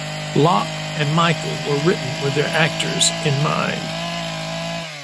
Locke and Michael were written with their actors in mind.